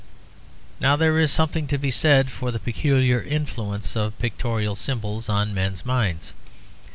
Now, there is something to be said for the peculiar influence of pictorial symbols on men's minds.